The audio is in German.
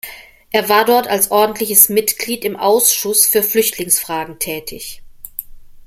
Er war dort als ordentliches Mitglied im "Ausschuss für Flüchtlingsfragen" tätig.